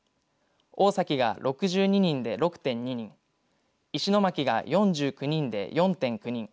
大崎が６２人で６．２人石巻が４９人で４．９人